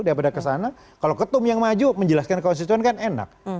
daripada kesana kalau ketum yang maju menjelaskan ke konstituen kan enak